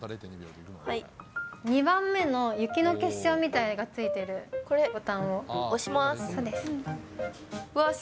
２番目の雪の結晶みたいなのが付いてるこれ、ボタンを押します。